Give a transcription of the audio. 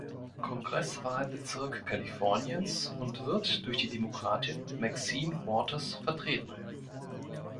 Kongresswahlbezirk Kaliforniens und wird durch die Demokratin Maxine Waters vertreten.